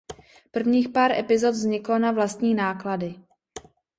Prvních pár epizod vzniklo na vlastní náklady.